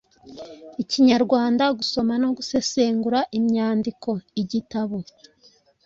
ikinyarwanda, gusoma no gusesengura imyandiko igitabo